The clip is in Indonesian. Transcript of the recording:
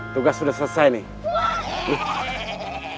tugas udah selesai nih